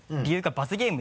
罰ゲーム？